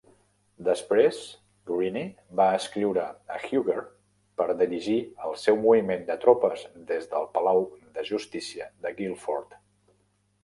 Després, Greene va escriure a Huger per dirigir el seu moviment de tropes des del Palau de Justícia de Guilford.